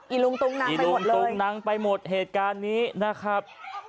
อีลุงตุ๊งนังไปหมดเหตุการณ์นี้นะครับ